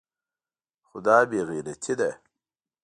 خو دا بې غيرتي ده.